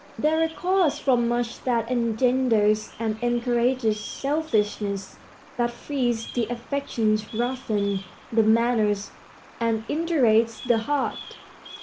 They recall us from much that engenders and encourages selfishness, that freezes the affections, roughens the manners, and indurates the heart.